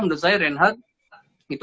menurut saya reinhardt